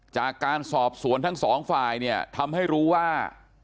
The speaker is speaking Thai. จากการสอบสวนทั้งสองฝ่ายเนี่ยทำให้รู้ว่า